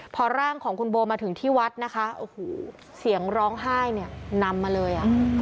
พอร่างของคุณโบมาถึงที่วัดนะคะโอ้โหเสียงร้องไห้เนี่ยนำมาเลยอ่ะ